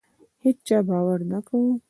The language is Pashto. هیچا باور نه کاوه.